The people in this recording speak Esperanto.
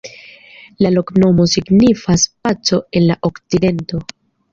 La loknomo signifas: "paco en la okcidento".